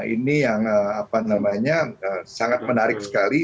ini yang apa namanya sangat menarik sekali